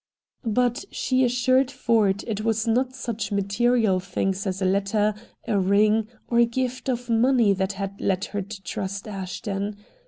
But she assured Ford it was not such material things as a letter, a ring, or gift of money that had led her to trust Ashton.